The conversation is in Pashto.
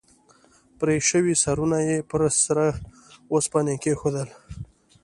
پرې شوي سرونه یې پر سره اوسپنه کېښودل.